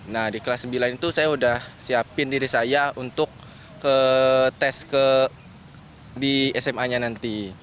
nah di kelas sembilan itu saya sudah siapin diri saya untuk tes di sma nya nanti